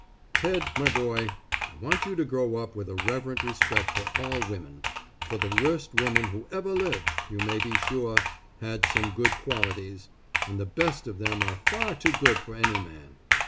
Ted, my boy, I want you to grow up with a reverent respect for all women, for the worst woman who ever lived, you may be sure, had some good qualities, and the best of them are far too good for any man.